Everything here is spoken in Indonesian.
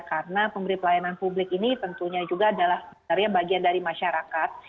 karena pemberi pelayanan publik ini tentunya juga adalah bagian dari masyarakat